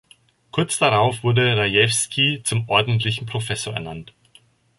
Kurz darauf wurde Rajewsky zum ordentlichen Professor ernannt.